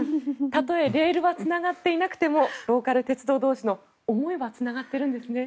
たとえレールはつながっていなくてもローカル鉄道同士の思いはつながっているんですね。